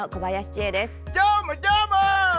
どーも、どーも！